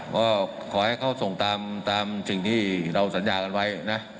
ก็ขอให้เขาส่งตามสิ่งที่เราสัญญากันไว้นะ